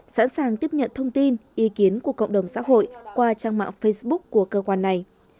sẵn sàng tiếp nhận thông tin ý kiến của cộng đồng xã hội qua trang mạng facebook của cơ quan này